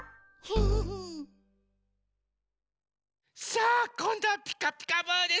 さあこんどは「ピカピカブ！」ですよ。